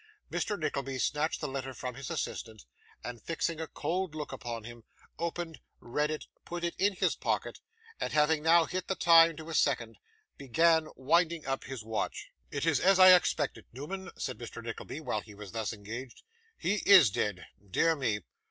Mr. Nickleby snatched the letter from his assistant, and fixing a cold look upon him, opened, read it, put it in his pocket, and having now hit the time to a second, began winding up his watch. 'It is as I expected, Newman,' said Mr. Nickleby, while he was thus engaged. 'He IS dead. Dear me!